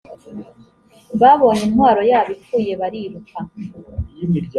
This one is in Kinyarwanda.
babonye intwari yabo ipfuye bariruka